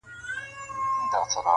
یو که بل وي نو څلور یې پښتانه وي,